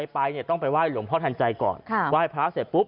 ไปต้องไปว่ายหลวงพ่อทันใจก่อนว่ายพระเสร็จปุ๊บ